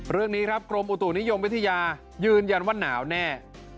เรื่องอุตุนิยมวิทยายืนยันว่านาวแน่